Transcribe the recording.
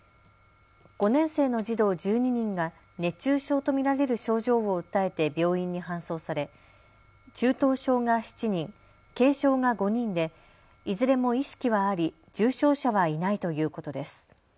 ５年生の児童１２人が熱中症と見られる症状を訴えて病院に搬送され中等症が７人、軽症が５人でいずれも意識はあり重症者はいないということです。